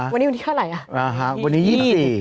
วันนี้วันนี้เท่าไหร่อ่ะอ่าฮะวันนี้ยี่สิบสี่